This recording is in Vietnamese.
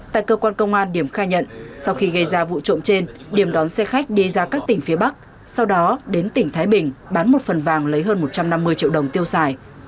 tại cơ quan công an điểm khai nhận sau khi gây ra vụ trộm trên điểm đón xe khách đi ra các tỉnh phía bắc sau đó đến tỉnh thái bình bán một phần vàng lấy hơn một trăm năm mươi triệu đồng tiêu xài